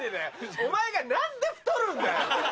お前が何で太るんだよ！